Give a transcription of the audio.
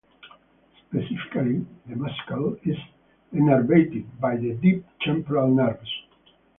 Specifically, the muscle is innervated by the deep temporal nerves.